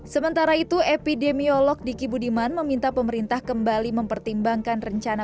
sementara itu epidemiolog diki budiman meminta pemerintah kembali mempertimbangkan rencana